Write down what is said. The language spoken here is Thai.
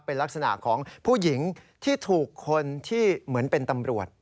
เป็นลักษณะของผู้หญิงที่ถูกคนที่เหมือนเป็นตำรวจ